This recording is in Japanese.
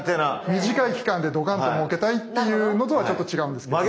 短い期間でどかんともうけたいっていうのとはちょっと違うんですけれども。